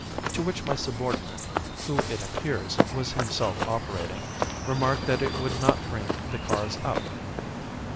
'" To which my subordinate, who, it appears, was himself operating, remarked that it would not bring the cars up.